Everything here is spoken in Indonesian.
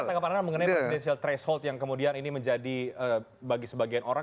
tangan tangan mengenai presidenial threshold yang kemudian ini menjadi bagi sebagian orang